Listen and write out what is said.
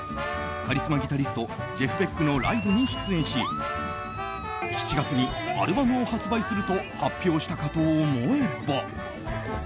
カリスマギタリストジェフ・ベックのライブに出演し７月にアルバムを発売すると発表したかと思えば。